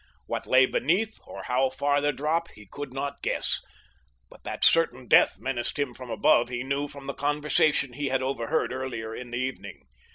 What lay beneath or how far the drop he could not guess, but that certain death menaced him from above he knew from the conversation he had overheard earlier in the evening.